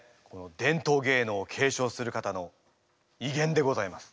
伝統芸能を継承する方のいげんでございます。